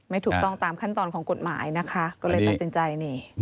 ไม่ถูกต้องตามขั้นตอนของกฎหมายนะคะก็เลยตัดสินใจนี่